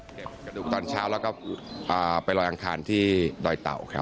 กระดูกตอนเช้าแล้วก็ไปลอยอังคารที่ดอยเต่าครับ